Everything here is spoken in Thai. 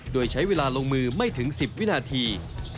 โดยใช้เวลาลงมือไม่ถึง๑๐วินาที